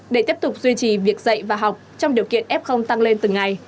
để tiếp tục duy trì việc dạy và học trong điều kiện f tăng lên từng ngày